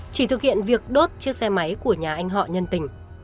chỉ thực hiện việc đốt chiếc xe máy của nhà anh họ nhân tình